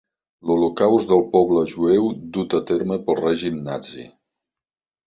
L'holocaust del poble jueu dut a terme pel règim nazi.